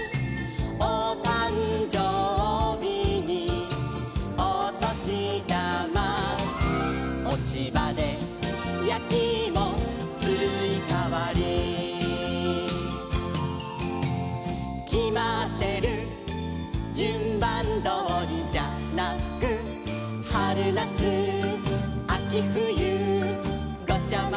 「おたんじょうびにおとしだま」「おちばでやきいもすいかわり」「きまってるじゅんばんどおりじゃなく」「はるなつあきふゆごちゃまぜしたいね」